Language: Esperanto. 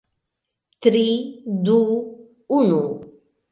Tri... du... unu...